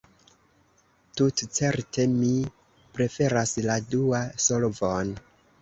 Tutcerte mi preferas la duan solvon.